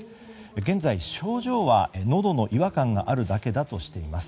現在、症状はのどの違和感があるだけだとしています。